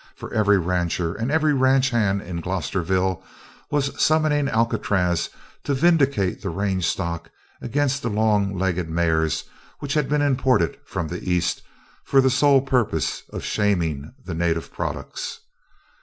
For every rancher and every ranch hand in Glosterville was summoning Alcatraz to vindicate the range stock against the long legged mares which had been imported from the East for the sole purpose of shaming the native products.